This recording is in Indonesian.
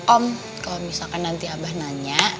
om kalau misalkan nanti abah nanya